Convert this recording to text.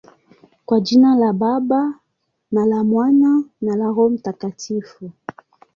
Kwa jina la Baba, na la Mwana, na la Roho Mtakatifu.